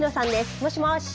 もしもし？